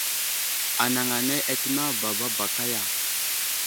Anaŋ anay atəmeŋ baba baka ya ?